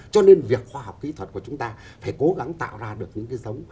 cho nên việc khoa học kỹ thuật của chúng ta phải cố gắng tạo ra được những cái giống